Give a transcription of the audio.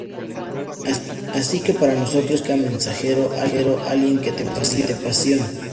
Así que para nosotros, significa "mensajero" alguien que transmite "pasión".